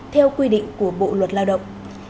theo quy định của bộ luật lao động